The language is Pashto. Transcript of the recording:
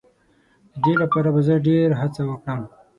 د دې لپاره به زه ډېر هڅه وکړم.